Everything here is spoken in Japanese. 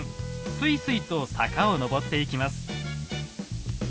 スイスイと坂を上っていきます。